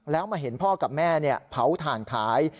แล้วมาเห็นพ่อกับแม่เผาถ่านขาย